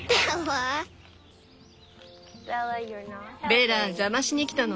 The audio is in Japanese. ベラ邪魔しにきたの？